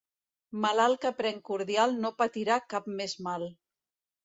Malalt que pren cordial no patirà cap més mal.